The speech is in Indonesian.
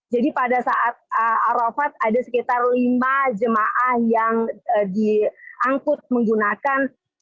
jadi pada saat arofat ada sekitar lima jemaah yang diangkut menggunakan